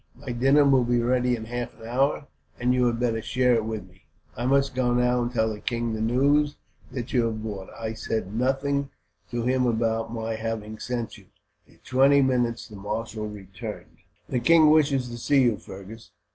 My dinner will be ready in half an hour, and you had better share it with me. I must go now, and tell the king the news that you have brought. I said nothing to him about my having sent you." In twenty minutes the marshal returned. "The king wishes to see you, Fergus.